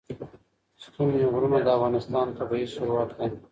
ستوني غرونه د افغانستان طبعي ثروت دی.